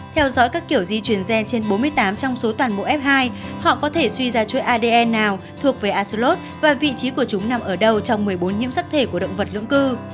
theo dõi các kiểu di chuyển gen trên bốn mươi tám trong số toàn bộ f hai họ có thể suy ra chuỗi adn nào thuộc về aslot và vị trí của chúng nằm ở đâu trong một mươi bốn nhiễm sắc thể của động vật lưỡng cư